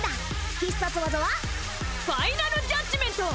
必殺技はファイナル・ジャッジメント！